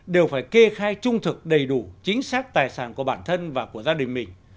cách trung thực đầy đủ chính xác tài sản của bản thân và của gia đình mình